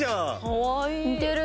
かわいい似てる！